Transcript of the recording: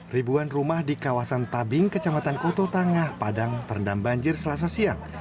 ribuan rumah di kawasan tabing kecamatan koto tangah padang terendam banjir selasa siang